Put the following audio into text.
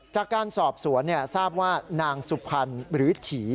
จากการสอบสวนทราบว่านางสุพรรณหรือฉี